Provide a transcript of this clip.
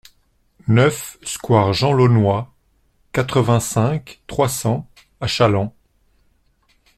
neuf square Jean Launois, quatre-vingt-cinq, trois cents à Challans